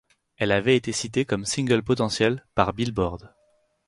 Elle avait été citée comme single potentiel par Billboard.